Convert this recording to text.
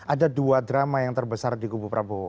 ada dua drama yang terbesar di kubu prabowo